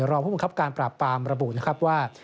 รองผู้บังคับการปราบปรามระบุนะครับว่า